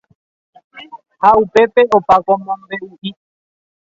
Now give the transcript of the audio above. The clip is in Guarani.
Ha upépe opa ko mombe'u'i